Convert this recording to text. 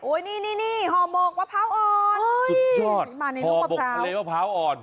โอ้ยนี่นี่นี่ห่อโหมกวะพร้าวอ่อนสุดยอดมาในลูกวะพร้าวห่อโหมกทะเลวะพร้าวอ่อน